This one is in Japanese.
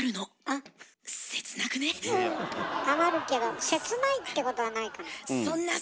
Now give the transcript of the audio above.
うん余るけど切ないってことはないかな。